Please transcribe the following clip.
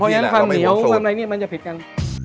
เพราะฉะนั้นความเหนียวความอะไรเนี่ยมันจะผิดกัน